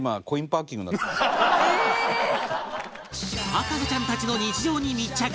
博士ちゃんたちの日常に密着